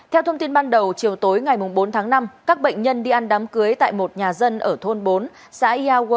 theo thông tin ban đầu chiều tối ngày bốn tháng năm các bệnh nhân đi ăn đám cưới tại một nhà dân ở thôn bốn xã yawe